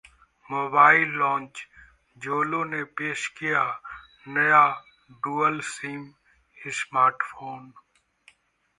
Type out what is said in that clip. mobile launch: Xolo ने पेश किया नया डुअल सिम स्मार्टफोन